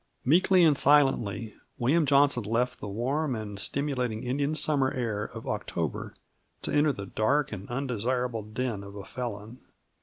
Meekly and silently William Johnson left the warm and stimulating Indian summer air of October to enter the dark and undesirable den of a felon.